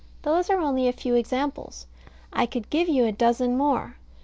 Those are only a few examples. I could give you a dozen more.